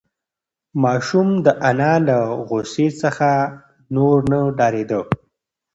ماشوم د انا له غوسې څخه نور نه ډارېده.